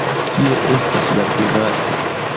Kie estas la pirato?